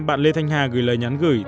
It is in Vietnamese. bạn lê thanh hà gửi lời nhắn gửi